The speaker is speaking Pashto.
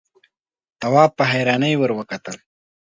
تواب په حيرانۍ ور وکتل.